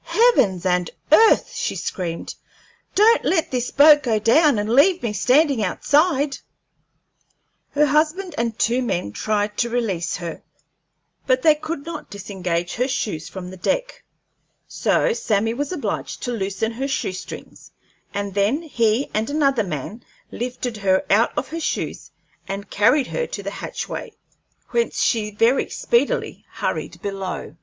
"Heavens and earth!" she screamed; "don't let this boat go down and leave me standing outside!" Her husband and two men tried to release her, but they could not disengage her shoes from the deck; so Sammy was obliged to loosen her shoe strings, and then he and another man lifted her out of her shoes and carried her to the hatchway, whence she very speedily hurried below.